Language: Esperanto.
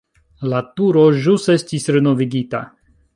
La turo ĵus estis renovigita.